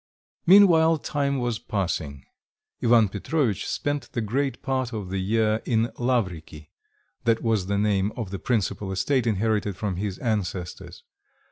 Meanwhile time was passing. Ivan Petrovitch spent the great part of the year in Lavriky (that was the name of the principal estate inherited from his ancestors).